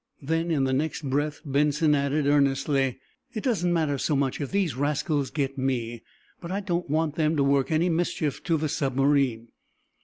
'" Then, in the next breath, Benson added, earnestly: "It doesn't matter so much if these rascals get me, but I don't want them to work any mischief to the submarine."